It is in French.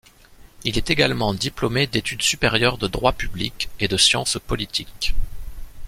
Il est également diplômé d'études supérieures de droit public et de sciences politiques.